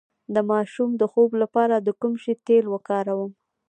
د ماشوم د خوب لپاره د کوم شي تېل وکاروم؟